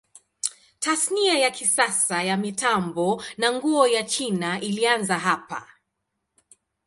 Tasnia ya kisasa ya mitambo na nguo ya China ilianza hapa.